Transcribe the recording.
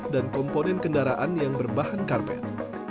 dan komponen kendaraan yang berbahan karpet